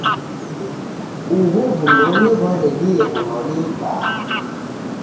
Ugho w'unoni ghwaredie w'unoni m'baa.